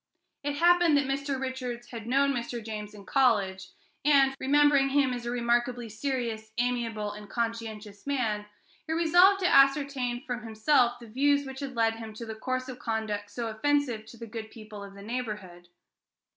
It happened that Mr. Richards had known Mr. James in college, and, remembering him as a remarkably serious, amiable, and conscientious man, he resolved to ascertain from himself the views which had led him to the course of conduct so offensive to the good people of the neighborhood.